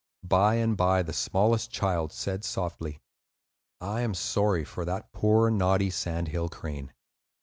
By and by the smallest child said, softly, "I am sorry for that poor, naughty, sandhill crane."